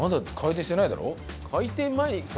開店前にさ。